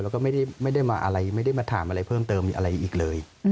แล้วก็ไม่ได้มาถามอะไรเพิ่มเติมอะไรอีกเลย